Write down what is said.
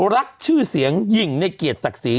รักชื่อเสียงหญิงในเกียรติศักดิ์ศรี